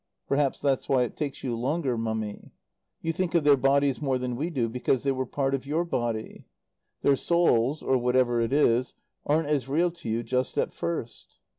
"Perhaps that's why it takes you longer, Mummy. You think of their bodies more than we do, because they were part of your body. Their souls, or whatever it is, aren't as real to you just at first."